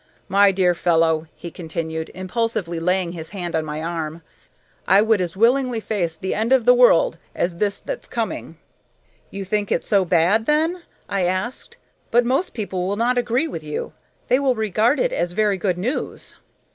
My dear fellow," he continued, impulsively laying his hand on my arm, "I would as willingly face the end of the world as this that's coming!" "You think it so bad, then?" I asked. "But most people will not agree with you. They will regard it as very good news."